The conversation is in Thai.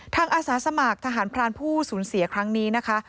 อาสาสมัครทหารพรานผู้สูญเสียครั้งนี้นะคะ